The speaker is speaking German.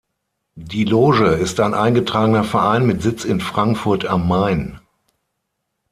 Die Loge ist ein eingetragener Verein mit Sitz in Frankfurt am Main.